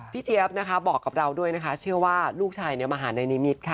พี่เจี๊ยบบอกกับเราด้วยนะคะตม